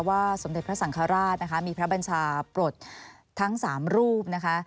สมเด็จพระสังฆราชนะคะมีพระบัญชาปลดทั้ง๓รูปนะคะ